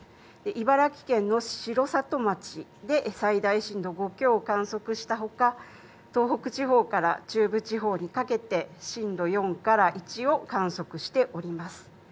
茨城県の城里町で最大震度５強を観測したほか、東北地方から中部地方にかけて、震度４から１を観測しております。